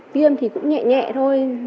viêm thì cũng nhẹ nhẹ thôi